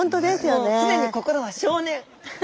もう常に心は少年。